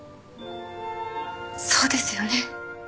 そうですよね。